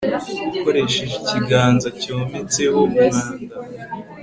ukoresheje ikiganza cyometseho umwanda